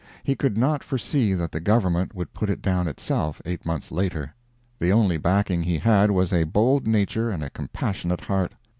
He could not foresee that the Government would put it down itself eight months later. The only backing he had was a bold nature and a compassionate heart.